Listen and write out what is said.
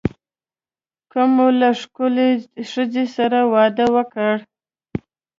که مو له ښکلې ښځې سره واده وکړ.